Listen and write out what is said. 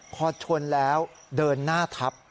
พอชนแล้วเดินหน้าทับ